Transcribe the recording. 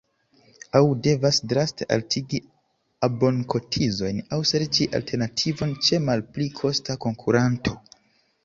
Aŭ devas draste altigi abonkotizojn aŭ serĉi alternativon ĉe malpli kosta konkuranto.